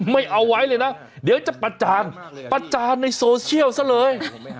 เอาไว้เลยนะเดี๋ยวจะประจานประจานในโซเชียลซะเลย